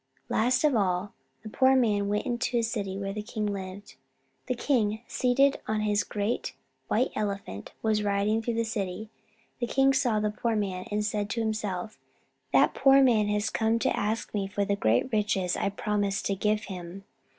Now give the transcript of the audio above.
Last of all, the poor man went into the city where the king lived. The king, seated on his great white elephant, was riding through the city. The king saw the poor man, and said to himself: "That poor man has come to ask me for the great riches I promised to give him.